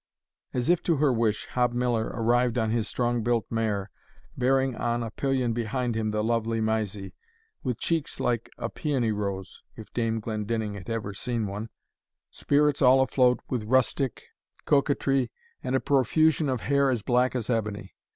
As if to her wish, Hob Miller arrived on his strong built mare, bearing on a pillion behind him the lovely Mysie, with cheeks like a peony rose, (if Dame Glendinning had ever seen one,) spirits all afloat with rustic coquetry, and a profusion of hair as black as ebony.